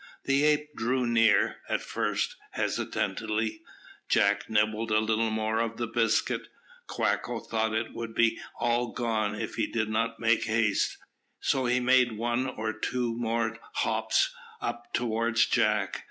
The ape drew near, at first, hesitatingly; Jack nibbled a little more of the biscuit. Quacko thought that it would all be gone if he did not make haste, so he made one or two more hops up towards Jack.